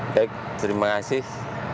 baik terima kasih